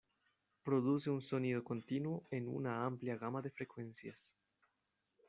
Produce un sonido continuo en una amplia gama de frecuencias.